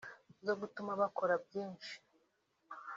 zo gutuma bakora byinshi